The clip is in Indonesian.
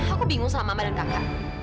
aku bingung sama mbak dan kakak